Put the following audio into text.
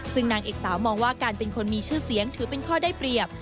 ซึ่งนางเอกสาวมองว่าการเป็นคนมีชื่อเสียงถือเป็นข้อได้เปรียบ